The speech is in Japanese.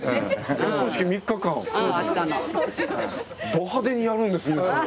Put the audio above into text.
ド派手にやるんですね。